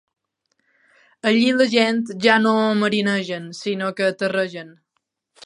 Allí la gent ja no marinegen, sinó que terregen.